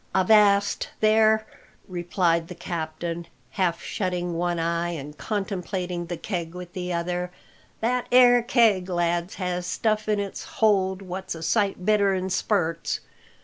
"Avast there!" replied the captain, half shutting one eye and contemplating the keg with the other, "that 'ere keg, lads, has stuff in its hold what's a sight better'n spurts.